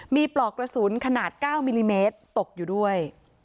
มีปลอกกระสุนขนาด๙มิลลิเมตรตกอยู่ด้วย